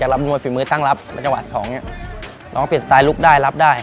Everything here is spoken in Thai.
เราต้องเปลี่ยนสไตล์ลุคได้รับได้